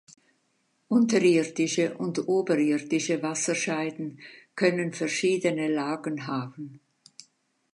Unterirdische und oberirdische Wasserscheiden können verschiedene Lagen haben.